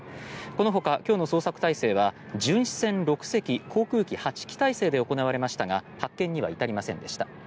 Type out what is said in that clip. この他、今日の捜索態勢は巡視船６隻航空機８機態勢で行われましたが発見には至りませんでした。